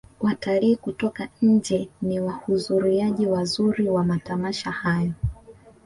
watalii kutoka nje ni wahuzuriaji wazuri wa matamasha hayo